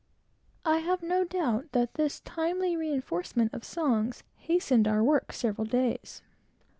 I have no doubt that this timely reinforcement of songs hastened our work several days.